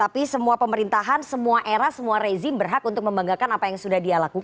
tapi semua pemerintahan semua era semua rezim berhak untuk membanggakan apa yang sudah dia lakukan